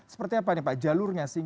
seperti apa nih pak jalurnya